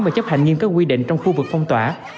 và chấp hành nghiêm các quy định trong khu vực phong tỏa